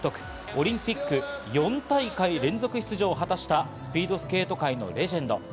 オリンピック４大会連続出場を果たしたスピードスケート界のレジェンド。